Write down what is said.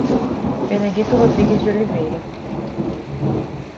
Benedito Rodrigues de Oliveira